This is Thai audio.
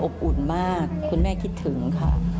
อุ่นมากคุณแม่คิดถึงค่ะ